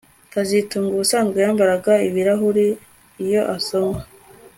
kazitunga ubusanzwe yambara ibirahuri iyo asoma